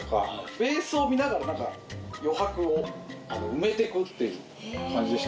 ベースを見ながら余白を埋めて行くっていう感じでした。